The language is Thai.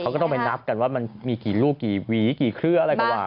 เขาก็ต้องไปนับกันว่ามันมีกี่ลูกกี่หวีกี่เครืออะไรก็ว่า